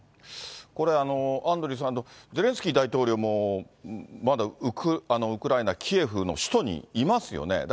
これ、アンドリーさん、ゼレンスキー大統領も、まだウクライナ・キエフの首都にいますよね。